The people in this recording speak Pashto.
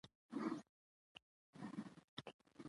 مېلې د کلتور ښکلا ده.